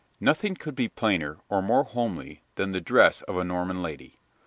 }] Nothing could be plainer or more homely than the dress of a Norman lady.